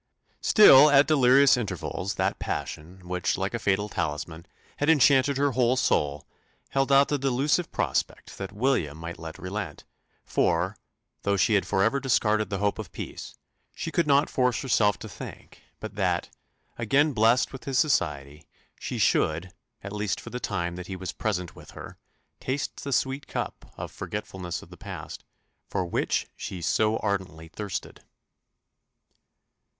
Still, at delirious intervals, that passion, which, like a fatal talisman, had enchanted her whole soul, held out the delusive prospect that "William might yet relent;" for, though she had for ever discarded the hope of peace, she could not force herself to think but that, again blest with his society, she should, at least for the time that he was present with her, taste the sweet cup of "forgetfulness of the past," for which she so ardently thirsted.